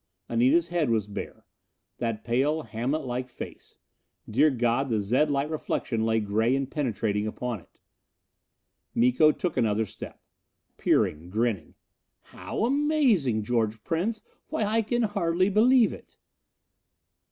Anita's head was bare. That pale, Hamletlike face. Dear God, the zed light reflection lay gray and penetrating upon it! Miko took another step. Peering. Grinning. "How amazing, George Prince! Why, I can hardly believe it!"